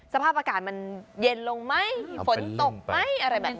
สภาพอากาศมันเย็นลงไหมมีฝนตกไหมอะไรแบบนี้